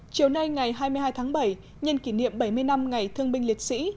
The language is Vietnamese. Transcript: chiều nay ngày hai mươi hai tháng bảy nhân kỷ niệm bảy mươi năm ngày thương binh liệt sĩ